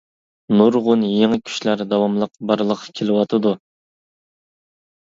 نۇرغۇن يېڭى كۈچلەر داۋاملىق بارلىققا كېلىۋاتىدۇ.